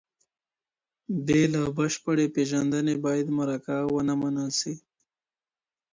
بې له بشپړې پېژندنې بايد مرکه ونه منل سي.